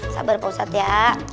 sabar pak ustadz ya